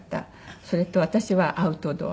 それと私はアウトドア派。